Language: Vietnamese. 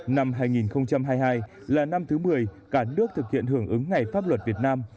năm hai nghìn hai mươi hai là năm thứ một mươi cả nước thực hiện hưởng ứng ngày pháp luật việt nam